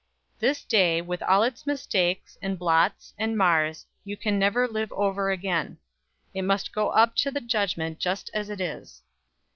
This day, with all its mistakes, and blots, and mars, you can never live over again. It must go up to the judgment just as it is.